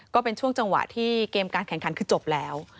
ก็เป็นช่วงจังหวะที่เกมการแข่งขันคือจบแล้ว